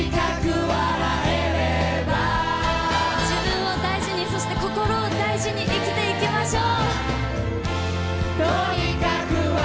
自分を大事にそして、心を大事に生きていきましょう。